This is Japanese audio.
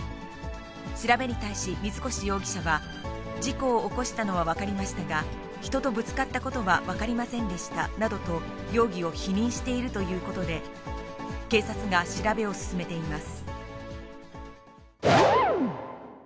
調べに対し、水越容疑者は、事故を起こしたのは分かりましたが、人とぶつかったことは分かりませんでしたなどと容疑を否認しているということで、警察が調べを進めています。